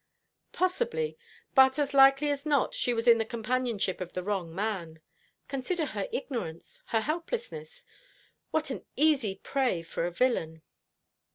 "Possibly. But, as likely as not, she was in the companionship of the wrong man. Consider her ignorance, her helplessness. What an easy prey for a villain!"